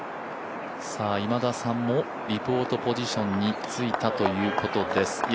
今田さんもリポートポジションに着いたということです。